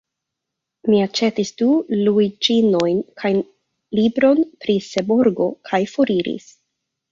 Mi aĉetis du luiĝinojn kaj libron pri Seborgo, kaj foriris.